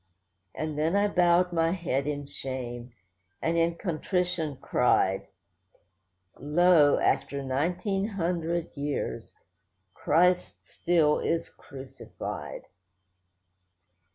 And then I bowed my head in shame, and in contrition cried— 'Lo, after nineteen hundred years, Christ still is Crucified.